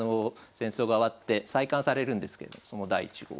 戦争が終わって再刊されるんですけれどもその第１号。